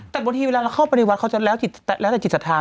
แต่บางทีเวลาเราเข้าไปในวัดเขาจะแล้วแต่จิตศรัทธา